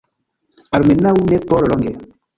Almenaŭ ne por longe.